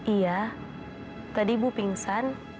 iya tadi ibu pingsan